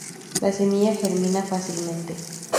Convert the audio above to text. La semilla germina fácilmente.